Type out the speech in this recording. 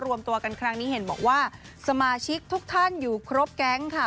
รวมตัวกันครั้งนี้เห็นบอกว่าสมาชิกทุกท่านอยู่ครบแก๊งค่ะ